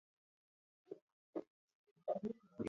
زما او ستا فرق سته.